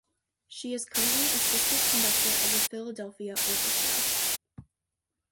She is currently Assistant Conductor of the Philadelphia Orchestra.